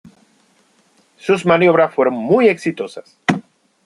Sus maniobras fueron muy exitosas.